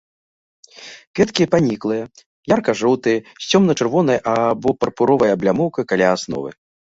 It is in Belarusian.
Кветкі паніклыя, ярка-жоўтыя, з цёмна-чырвонай або пурпуровай аблямоўкай каля асновы.